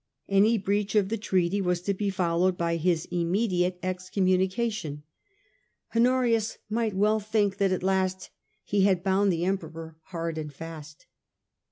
Any breach of the treaty was to be followed by his immediate excommunication. 70 STUPOR MUNDI Honorius might well think that at last he had bound the Emperor hard and fast.